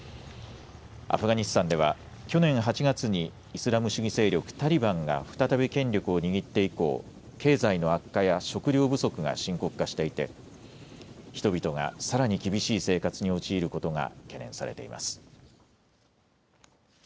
アフガニスタンでは去年８月にイスラム主義勢力タリバンが再び権力を握って以降、経済の悪化や食料不足が深刻化していて人々がさらに厳しい生活に陥ることが懸念されています。